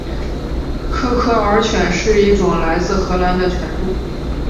科克尔犬是一种来自荷兰的犬种。